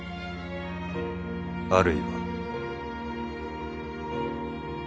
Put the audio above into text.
あるいは。